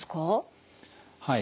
はい。